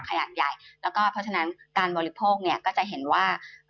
เพราะฉะนั้นการบริโภคก็จะเห็นว่า